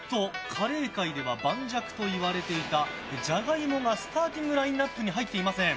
カレー界では盤石と言われていたジャガイモがスターティングラインアップに入っていません。